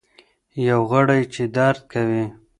یو غړی چي درد کوي.